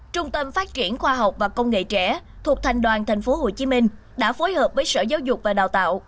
trung tâm phát triển khoa học và công nghệ trẻ thuộc thành đoàn tp hcm đã phối hợp với sở giáo dục và đào tạo